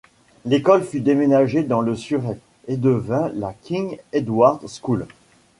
L'école fut déménagée dans le Surrey, et devint la King Edward's School.